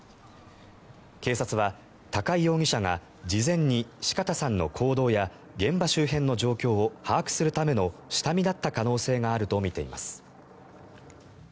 警察は高井容疑者が事前に四方さんの行動や現場周辺の状況を把握するための下見だった可能性があるとみています。